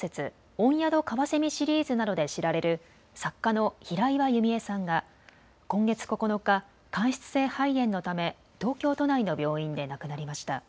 御宿かわせみシリーズなどで知られる作家の平岩弓枝さんが今月９日、間質性肺炎のため東京都内の病院で亡くなりました。